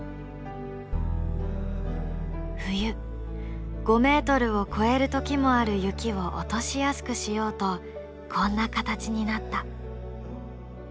冬５メートルを超える時もある雪を落としやすくしようとこんな形になった。